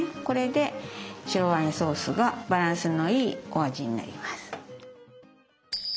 これで白ワインソースがバランスのいいお味になります。